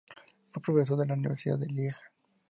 Fue profesor en la Universidad de Lieja.